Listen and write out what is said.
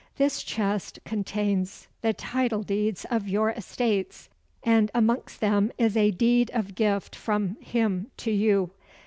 This chest contains the title deeds of your estates and amongst them is a deed of gift from him to you.